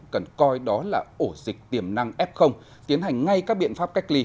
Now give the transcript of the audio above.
cần coi đó là ổ dịch tiềm năng f tiến hành ngay các biện pháp cách ly